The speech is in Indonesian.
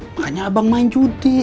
makanya abang main judi